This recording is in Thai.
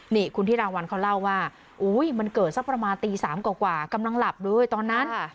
นี่คุณที่รางวัลเขาเล่าว่ามันเกิดสักประมาณตี๓กว่ากำลังหลับเลยตอนนั้น